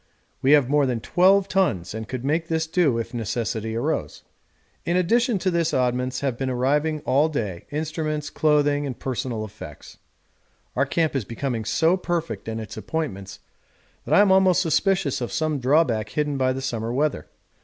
We have more than 12 tons and could make this do if necessity arose. In addition to this oddments have been arriving all day instruments, clothing, and personal effects. Our camp is becoming so perfect in its appointments that I am almost suspicious of some drawback hidden by the summer weather.